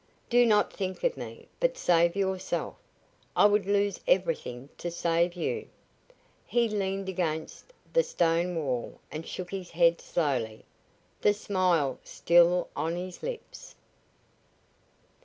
"Do not think of me, but save yourself. I would lose everything to save you." He leaned against the stone wall and shook his head slowly, the smile still on his lips.